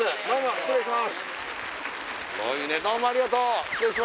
失礼します